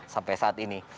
sampai saat ini